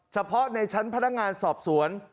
เฉพาะในชั้นพนักงานสอบสวน